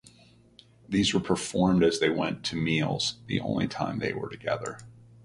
These were performed as they went to meals, the only time they were together.